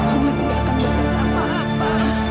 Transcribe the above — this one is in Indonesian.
oma tidak akan berhenti sama apa apa